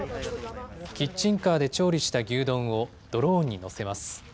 キッチンカーで調理した牛丼をドローンに載せます。